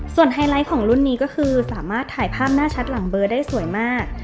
ไฮไลท์ของรุ่นนี้ก็คือสามารถถ่ายภาพหน้าชัดหลังเบอร์ได้สวยมาก